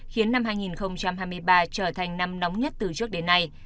khiến năm hai nghìn hai mươi ba trở thành năm nóng nhất từ trước đến nay